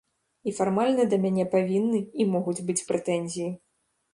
І фармальна да мяне павінны і могуць быць прэтэнзіі.